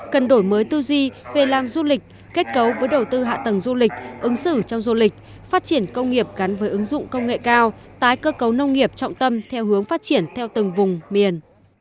cần đổi mới tư duy về làm du lịch kết cấu với đầu tư hạ tầng du lịch ứng xử trong du lịch phát triển công nghiệp gắn với ứng dụng công nghệ cao tái cơ cấu nông nghiệp trọng tâm theo hướng phát triển theo từng vùng miền